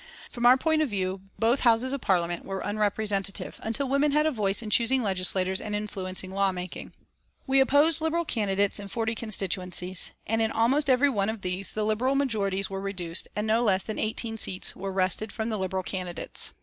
From our point of view both Houses of Parliament were unrepresentative until women had a voice in choosing legislators and influencing law making. We opposed Liberal candidates in forty constituencies, and in almost every one of these the Liberal majorities were reduced and no less than eighteen seats were wrested from the Liberal candidates.